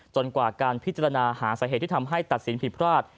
กว่าการพิจารณาหาสาเหตุที่ทำให้ตัดสินผิดพลาด